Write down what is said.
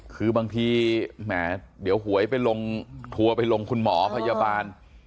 คือบางทีแหมเดี๋ยวหวยไปลงทัวร์ไปลงคุณหมอพยาบาล